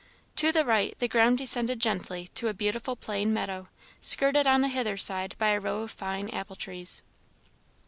To the right, the ground descended gently to a beautiful plane meadow, skirted on the hither side by a row of fine apple trees.